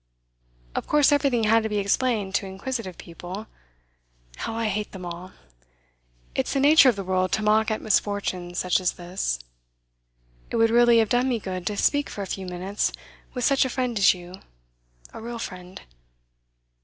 Of course everything had to be explained to inquisitive people how I hate them all! It's the nature of the world to mock at misfortunes such as this. It would really have done me good to speak for a few minutes with such a friend as you a real friend.